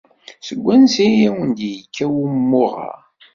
Seg wansi ay awen-d-yekka wumuɣ-a?